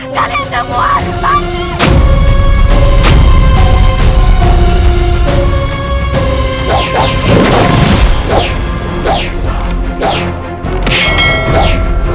kalian semua harus